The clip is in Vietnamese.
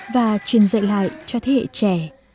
và truyền dạy lại cho thế hệ trẻ